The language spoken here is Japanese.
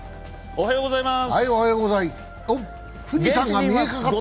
おはようございます。